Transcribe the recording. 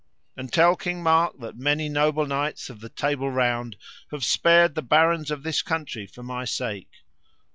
And tell King Mark that many noble knights of the Table Round have spared the barons of this country for my sake.